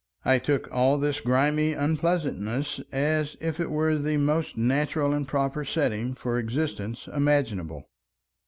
I took all this grimy unpleasantness as if it were the most natural and proper setting for existence imaginable.